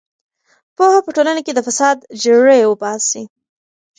پوهه په ټولنه کې د فساد جرړې وباسي.